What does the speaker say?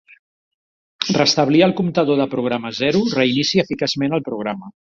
Restablir el comptador de programa a zero reinicia eficaçment el programa.